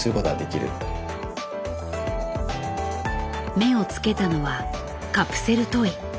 目をつけたのはカプセルトイ。